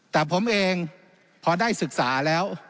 แต่ผมเองพอได้ศึกษาแล้ว